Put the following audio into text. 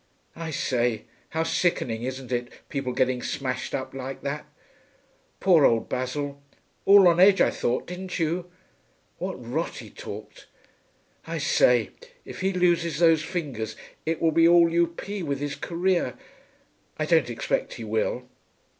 I say, how sickening, isn't it, people getting smashed up like that. Poor old Basil. All on edge, I thought, didn't you? What rot he talked.... I say, if he loses those fingers it will be all U. P. with his career.... I don't expect he will.'